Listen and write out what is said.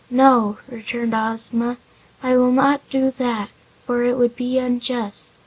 "No," returned Ozma, "I will not do that, for it would be unjust.